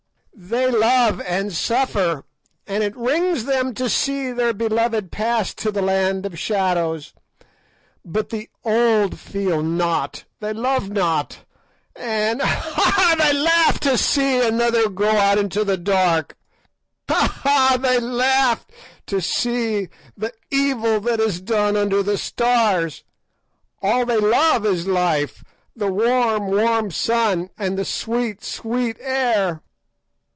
They love and suffer, and it wrings them to see their beloved pass to the land of shadows. But the old feel not, they love not, and, ha! ha! they laugh to see another go out into the dark; ha! ha! they laugh to see the evil that is done under the stars. All they love is life, the warm, warm sun, and the sweet, sweet air.